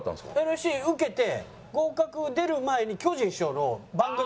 ＮＳＣ受けて合格出る前に巨人師匠の番組があったの。